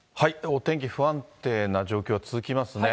お天気、不安定な状況が続きますね。